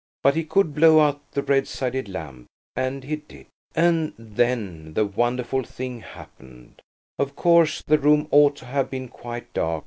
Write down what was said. But he could blow out the red sided lamp; and he did. And then the wonderful thing happened. Of course the room ought to have been quite dark.